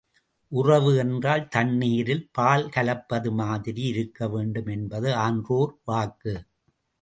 உறவு என்றால் தண்ணீரில் பால் கலப்பது மாதிரி இருக்க வேண்டும் என்பது ஆன்றோர் வாக்கு.